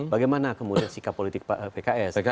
bagaimana kemudian sikap politik pks